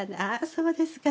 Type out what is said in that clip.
そうですか